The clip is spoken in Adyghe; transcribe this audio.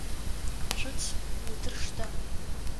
Цуц, утыр штэ!